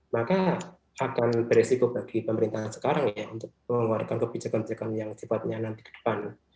maka akan beresiko bagi pemerintahan sekarang ya untuk mengeluarkan kebijakan kebijakan yang sifatnya nanti ke depan